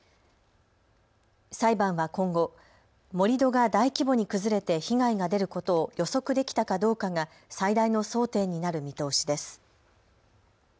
裁判は今後、盛り土が大規模に崩れて被害が出ることを予測できたかどうかが最大の争点になる見通しです。